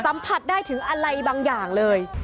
สัมผัสได้ถึงอะไรบางอย่างเลย